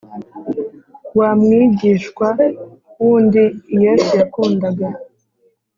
Wa mwigishwa wundi i yesu yakundaga